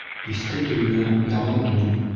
Иҫке төймә, яңы тун.